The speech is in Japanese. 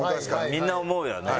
みんな思うよね。